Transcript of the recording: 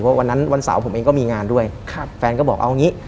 ว่าวันนั้นวันเสาร์ผมเองก็มีงานด้วยแฟนก็บอกเอาอย่างนี้